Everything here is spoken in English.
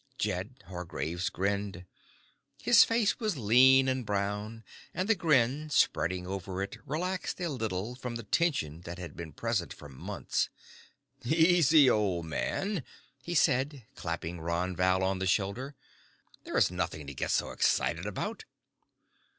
Jed Hargraves grinned. His face was lean and brown, and the grin, spreading over it, relaxed a little from the tension that had been present for months. "Easy, old man," he said, clapping Ron Val on the shoulder. "There is nothing to get so excited about."